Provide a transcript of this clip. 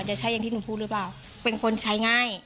จะใช้อย่างที่หนูพูดหรือเปล่าเป็นคนใช้ง่าย